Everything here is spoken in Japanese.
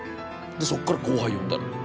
そっから後輩呼んだのよ。